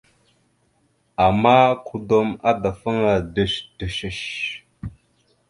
Ama, kudom adafaŋa ɗœshəɗœshœsh.